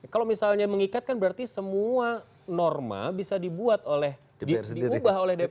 kalau misalnya mengikat kan berarti semua norma bisa dibuat oleh diubah oleh dpr